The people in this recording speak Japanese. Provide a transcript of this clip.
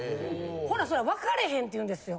ほなそれ分かれへんって言うんですよ。